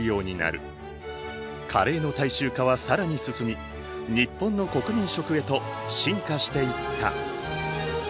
カレーの大衆化は更に進み日本の国民食へと進化していった。